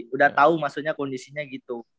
udah tahu maksudnya kondisinya gitu